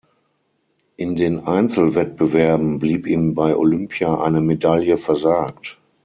In den Einzelwettbewerben blieb ihm bei Olympia eine Medaille versagt.